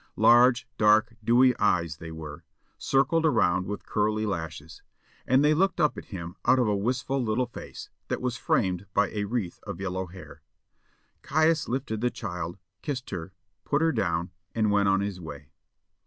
Large, dark, dewy eyes they were, circled around with curly lashes, and they looked up at him out of a wistful little face that was framed by a wreath of yellow hair. Caius lifted the child, kissed her, put her down, and went on his way.